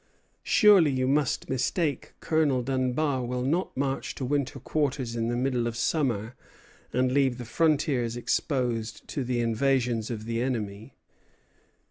Surely you must mistake. Colonel Dunbar will not march to winter quarters in the middle of summer, and leave the frontiers exposed to the invasions of the enemy!